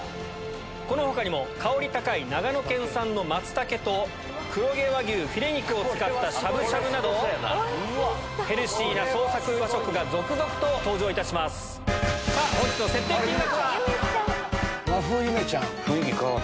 この他にも香り高い長野県産のマツタケと黒毛和牛フィレ肉を使ったしゃぶしゃぶなどヘルシーな創作和食が続々と登場いたします。ニイニイ！